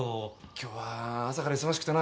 今日は朝から忙しくてな先生